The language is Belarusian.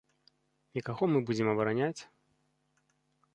І каго мы будзем абараняць?